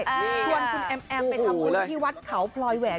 ชวนคุณแอมไปทำบุญที่วัดเขาพลอยแหวน